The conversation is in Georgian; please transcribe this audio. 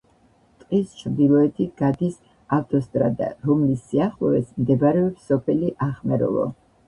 ტყის ჩრდილოეთით გადის ავტოსტრადა, რომლის სიახლოვეს მდებარეობს სოფელი ახმეროვო.